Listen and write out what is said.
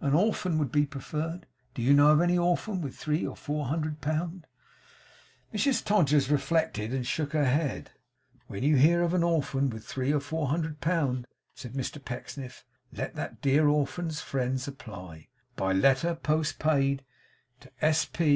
An orphan would be preferred. Do you know of any orphan with three or four hundred pound?' Mrs Todgers reflected, and shook her head. 'When you hear of an orphan with three or four hundred pound,' said Mr Pecksniff, 'let that dear orphan's friends apply, by letter post paid, to S. P.